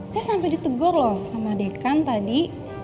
saya sampe ditegor loh sama dekan tadi